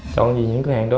trộm gì những cửa hàng đó